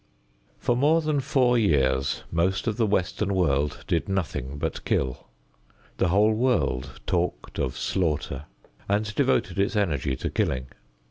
For more than four years most of the western world did nothing but kill. The whole world talked of slaughter and devoted its energy to killing.